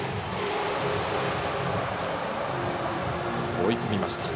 追い込みました。